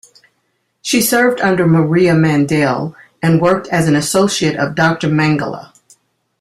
She served under Maria Mandel and worked as an associate of Doctor Mengele.